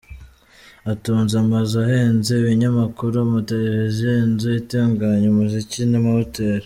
Atunze amazu ahenze, ibinyamakuru, amateleviziyo, inzu itunganya umuziki n’amahoteli.